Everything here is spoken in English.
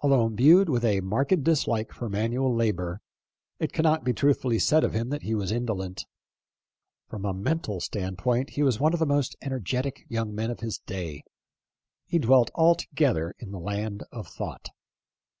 Although imbued with a marked dislike for manual labor, it cannot be truth fully said of him that he was indolent. From a mental standpoint he was one of the most ener getic young men of his day. He dwelt altogether in the land of thought.